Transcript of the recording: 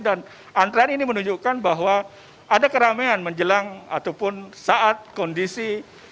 dan antrean ini menunjukkan bahwa ada keramaian menjelang ataupun saat kondisi